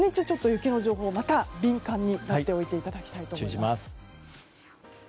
ちょっと雪の情報にまた敏感になっておいていただきたいと思います。